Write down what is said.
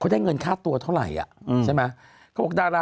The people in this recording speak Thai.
เดี๋ยวกลับมา